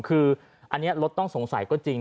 คืออันนี้รถต้องสงสัยก็จริง